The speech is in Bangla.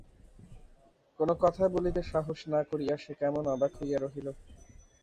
কোনো কথা বলিতে সাহস না করিয়া সে কেমন অবাক হইয়া রহিল।